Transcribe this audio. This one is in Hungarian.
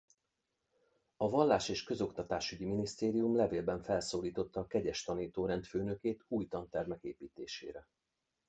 A Vallás-és Közoktatásügyi Minisztérium levélben felszólította a kegyes-tanítórend főnökét új tantermek építésére.